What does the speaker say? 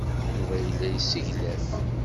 Yuba yella yesseglaf.